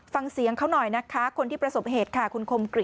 ฟังเสียงเขาหน่อยนะคะคนที่ประสบเหตุค่ะคุณคมกริจ